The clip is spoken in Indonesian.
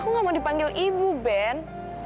aku gak mau dipanggil ibu ben